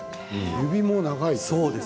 指も長い。